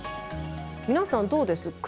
皆さんどうです？